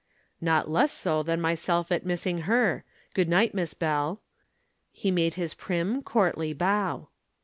"Not less so than myself at missing her. Good night, Miss Bell." He made his prim, courtly bow.